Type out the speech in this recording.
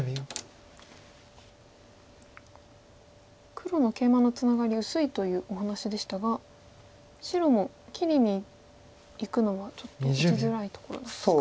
黒のケイマのツナガリ薄いというお話でしたが白も切りにいくのはちょっと打ちづらいところですか。